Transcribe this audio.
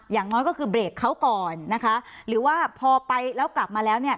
อย่างน้อยก็คือเบรกเขาก่อนนะคะหรือว่าพอไปแล้วกลับมาแล้ว